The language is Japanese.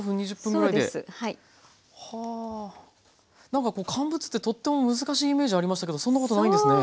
何かこう乾物ってとっても難しいイメージありましたけどそんなことないんですね。